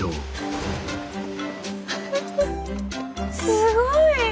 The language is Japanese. すごい！